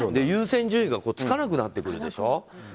優先順位がつかなくなってくるでしょ。